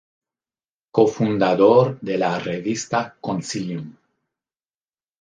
Cofundador de la revista Concilium.